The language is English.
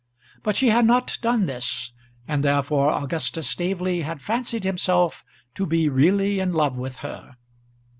But she had not done this, and therefore Augustus Staveley had fancied himself to be really in love with her.